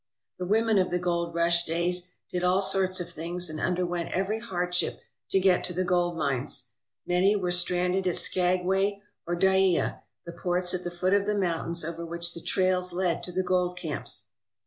The women of the gold rush days did all sorts of things and underwent every hardship to get to the gold mines. Many were stranded at Skagway or Dyea, the ports at the foot of the mountains over which the trails led to the gold camps.